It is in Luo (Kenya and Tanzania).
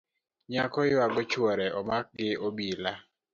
Nyako yuago chuore omaki gi obila